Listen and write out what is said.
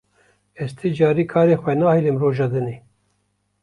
Ez ti carî karê xwe nahêlim roja dinê.